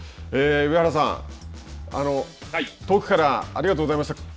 上原さん、遠くからありがとうございました。